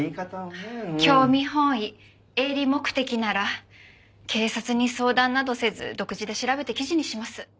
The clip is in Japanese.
興味本位営利目的なら警察に相談などせず独自で調べて記事にします。